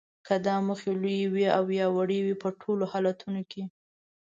که دا موخې لویې وي او یا وړې وي په ټولو حالتونو کې